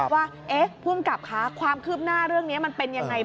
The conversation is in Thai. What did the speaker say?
ว่าภูมิกับคะความคืบหน้าเรื่องนี้มันเป็นยังไง